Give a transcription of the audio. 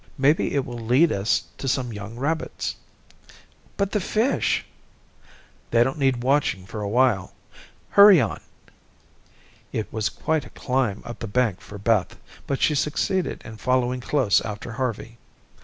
Maybe it will lead us to some young rabbits." "But the fish." "They don't need watching for awhile. Hurry on." It was quite a climb up the bank for Beth, but she succeeded in following close after Harvey.